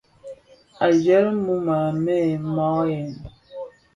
A jèm mum, a mêê maàʼyèg.